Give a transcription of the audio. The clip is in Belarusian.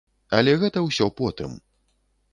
Але гэта ўсё потым.